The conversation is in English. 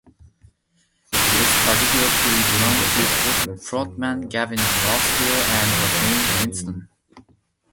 This particular Puli belonged to frontman Gavin Rossdale and was named Winston.